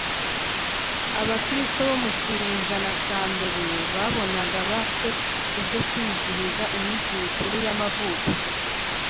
Abakristo bo mu kinyejana cya mbere babonaga bate ibyo kwizihiza iminsi mikuru y amavuko